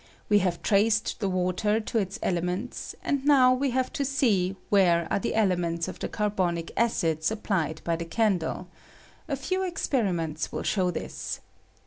We have traced the water to its elements, and now we have to see where are the ele ments of the carbonic acid supplied by the can dle : a few experiments wiU show this.